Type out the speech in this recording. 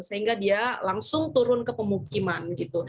sehingga dia langsung turun ke pemukiman gitu